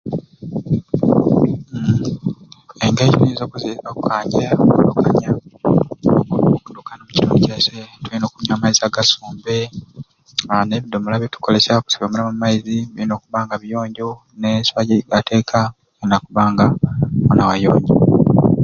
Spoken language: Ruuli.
Uum engeri gyetuyinza okuzi okukanja okudukana oba ekidukano omukitundu kyaiswe tulina okunywa amaizi agasumbe aa n'ebidimola byetukolesya okusyomeramu amaizi birina okubba nga biyonjo n'ensuwa mubateeka erina kubba nga woona wayonjo.